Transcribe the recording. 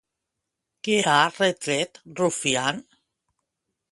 Què ha retret Rufián?